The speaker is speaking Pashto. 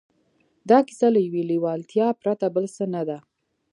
دا کیسه له یوې لېوالتیا پرته بل څه نه ده